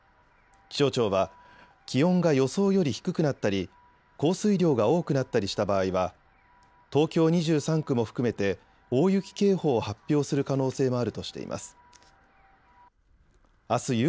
気象庁は気温が予想より低くなったり降水量が多くなったりした場合は東京２３区も含めて大雪警報を発表する可能性もあるとしています。